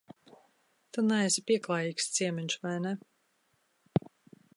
Tu neesi pieklājīgs ciemiņš, vai ne?